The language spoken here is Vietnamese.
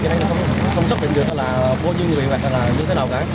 thế nên không xác định được